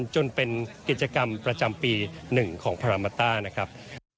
จนเป็นกิจกรรมประจำปี๑ของพารามาต้านะครับ